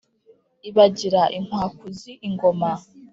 ibagira inkwakuzi ingoma.